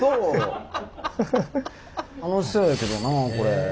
楽しそうやけどなあこれ。